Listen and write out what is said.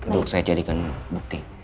bu saya jadikan bukti